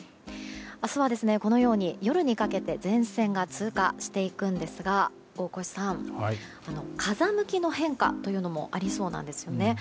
明日は、夜にかけて前線が通過していくんですが大越さん、風向きの変化もありそうなんですね。